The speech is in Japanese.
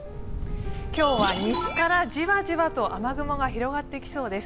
今日は西からジワジワと雨雲が広がってきそうです。